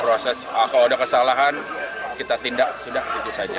proses kalau ada kesalahan kita tindak sudah itu saja